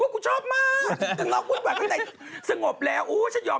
กูชอบมาก